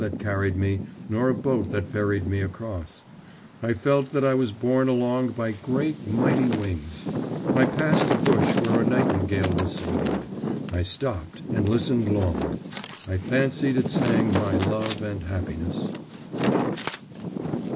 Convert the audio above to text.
It was not my legs that carried me, nor a boat that ferried me across; I felt that I was borne along by great, mighty wings. I passed a bush where a nightingale was singing. I stopped and listened long; I fancied it sang my love and happiness.